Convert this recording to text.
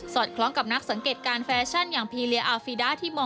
สอดคล้องกับนักสังเกตการฟาชั่นอย่างพีเลียอฟิได่